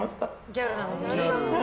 ギャルなのに？